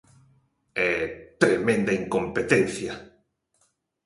E ¡tremenda incompetencia!